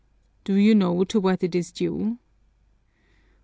Do you know to what it is due?